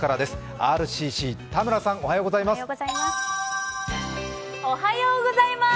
ＲＣＣ、田村さん、おはようございます。